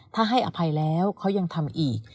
ถ้าให้อภัยแล้วเขายังทำอีก